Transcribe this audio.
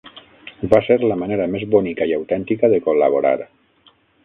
Va ser la manera més bonica i autèntica de col·laborar.